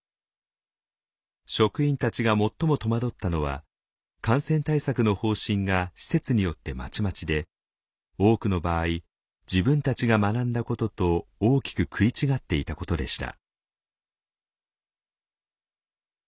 職員たちが最も戸惑ったのは感染対策の方針が施設によってまちまちで多くの場合自分たちが学んだことと大きく食い違っていたことでした。